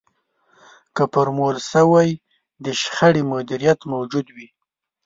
که فورمول شوی د شخړې مديريت موجود وي.